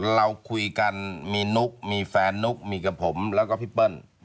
เราคุยกันมีนุ๊กมีแฟนนุ๊กมีกับผมแล้วก็พี่เปิ้ล